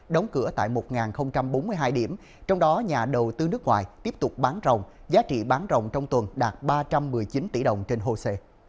đóng cửa tại một bốn mươi hai điểm trong đó nhà đầu tư nước ngoài tiếp tục bán rồng giá trị bán rồng trong tuần đạt ba trăm một mươi chín tỷ đồng trên hồ sệ